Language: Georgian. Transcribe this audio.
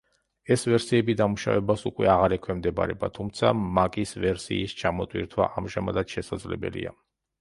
ეს ვერსიები დამუშავებას უკვე აღარ ექვემდებარება, თუმცა მაკის ვერსიის ჩამოტვირთვა ამჟამადაც შესაძლებელია.